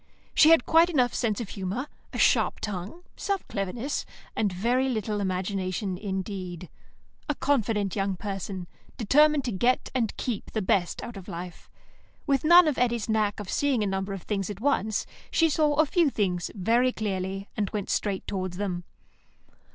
She had quite enough sense of humour, a sharp tongue, some cleverness, and very little imagination indeed. A confident young person, determined to get and keep the best out of life. With none of Eddy's knack of seeing a number of things at once, she saw a few things very clearly, and went straight towards them.